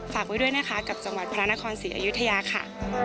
ฝากไว้ด้วยนะคะกับจังหวัดพระนครศรีอยุธยาค่ะ